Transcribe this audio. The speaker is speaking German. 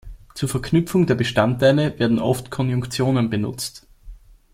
Zur Verknüpfung der Bestandteile werden oft Konjunktionen benutzt.